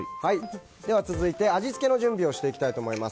続いて、味付けの準備をしていきたいと思います。